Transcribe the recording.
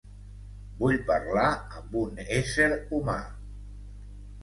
Vull parlar amb un ésser humà.